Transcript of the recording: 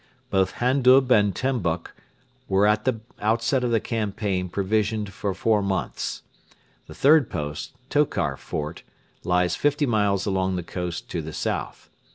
Both Handub and Tambuk were at the outset of the campaign provisioned for four months. The third post, Tokar Fort, lies fifty miles along the coast to the south.